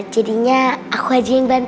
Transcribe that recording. jadinya aku aja yang bantu